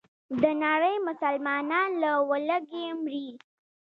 دنړۍ مسلمانان له ولږې مري.